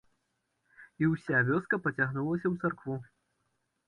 І ўся вёска пацягнулася ў царкву.